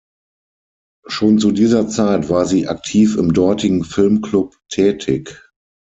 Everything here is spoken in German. Schon zu dieser Zeit war sie aktiv im dortigen Filmclub tätig.